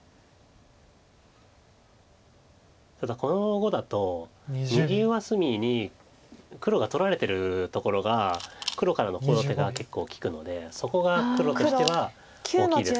ただこの碁だと右上隅に黒が取られてるところが黒からのコウ立てが結構利くのでそこが黒としては大きいです。